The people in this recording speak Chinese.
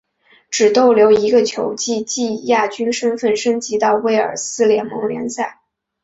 只逗留一个球季即以亚军身份升级到威尔斯联盟联赛。